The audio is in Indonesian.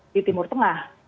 di timur tengah